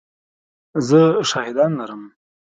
زه شاهدان لرم !